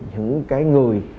những cái người